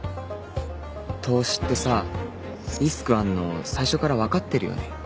投資ってさリスクあるの最初からわかってるよね？